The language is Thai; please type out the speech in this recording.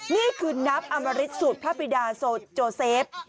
นี่คือน้ำอมริตสูตรพระปริดาโสดโจเซฟ